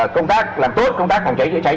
công tác làm tốt công tác phòng cháy chữa cháy